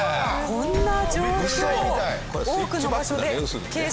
こんな状況。